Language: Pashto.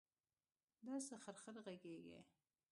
دا څه خرخر غږېږې.